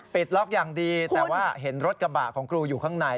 ปิดล็อกอย่างดีแต่ว่าเห็นรถกระบะของครูอยู่ข้างใน